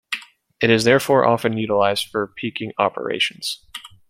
It is therefore often utilized for peaking operations.